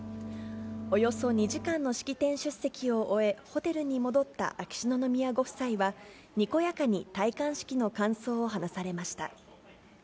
およそ２時間の式典出席を終え、ホテルに戻った秋篠宮ご夫妻は、にこやかに戴冠式の感想を話されました。